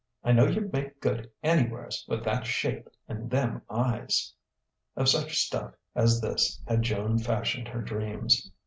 I know you'd make good anywheres with that shape and them eyes!..." Of such stuff as this had Joan fashioned her dreams.